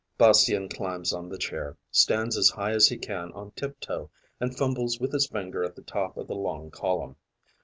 Bastien climbs on the chair, stands as high as he can on tip toe and fumbles with his finger at the top of the long column.